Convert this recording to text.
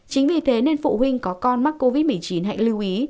chính vì thế nên phụ huynh có con mắc covid một mươi chín hãy lưu ý